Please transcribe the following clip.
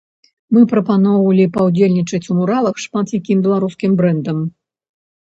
Мы прапаноўвалі паўдзельнічаць у муралах шмат якім беларускім брэндам.